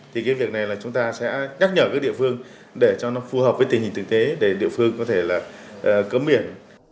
thì cái việc này là chúng ta sẽ nhắc nhở các địa phương để cho nó phù hợp với tình hình thực tế để địa phương có thể là cấm biển